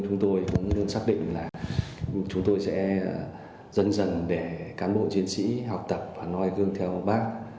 chúng tôi cũng luôn xác định là chúng tôi sẽ dần dần để cán bộ chiến sĩ học tập và nói gương theo bác